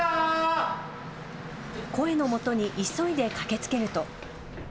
声のもとに急いで駆けつけると。